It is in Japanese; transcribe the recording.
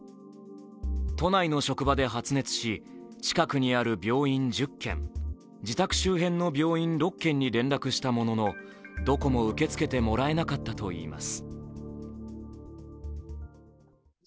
都内の職場で発熱し近くにある病院１０軒、自宅周辺の病院６軒に連絡したものの、どこも受け付けてもらえなかったといいます。